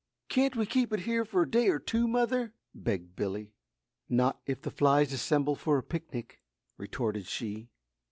"Can't we keep it here for a day or two, mother?" begged Billy. "Not if the flies assemble for a picnic," retorted she.